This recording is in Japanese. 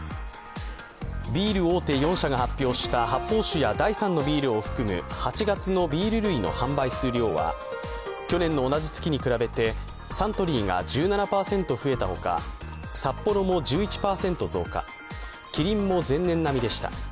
ビール大手４社が発表した８月のビール類の販売数量は去年の同じ月に比べてサントリーが１７％増えたほか、サッポロも１１％増加、キリンも前年並みでした。